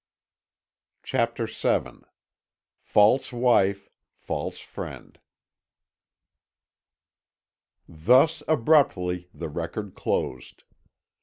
CHAPTER VII FALSE WIFE, FALSE FRIEND Thus abruptly the record closed.